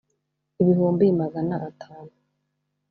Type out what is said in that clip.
ibihumbi magana atanu